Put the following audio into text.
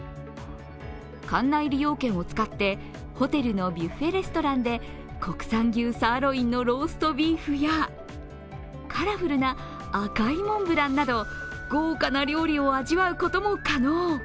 館内利用券を使って、ホテルのビュッフェレストランで国産牛サーロインのローストビーフやカラフルな赤いモンブランなど豪華な料理を味わうことも可能。